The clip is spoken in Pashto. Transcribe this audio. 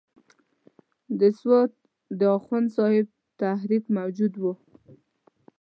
د سوات د اخوند صاحب تحریک موجود وو.